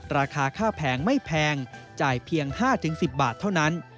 ราคาค่าแผงไม่แพงจ่ายเพียง๕๑๐บาทเท่านั้น